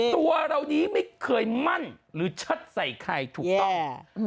ตัวเรานี้ไม่เคยมั่นหรือเชิดใส่ใครถูกต้อง